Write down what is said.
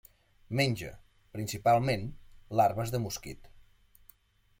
Menja, principalment, larves de mosquit.